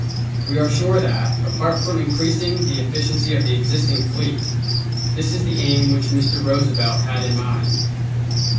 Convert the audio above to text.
We are sure that, apart from increasing the efficiency of the existing fleet, this is the aim which Mr. Roosevelt has in mind.